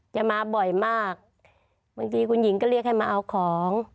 จะมาบ่อยมากบางทีคุณหญิงก็เรียกให้มาเอาของ